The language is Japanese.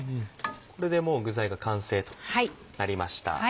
これでもう具材が完成となりました。